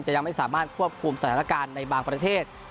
ยังไม่สามารถควบคุมสถานการณ์ในบางประเทศ